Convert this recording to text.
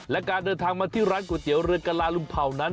และการเดินทางมาที่ร้านก๋วยเตี๋ยวเรือนกะลาลุมเผ่านั้น